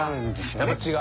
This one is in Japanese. やっぱり違う？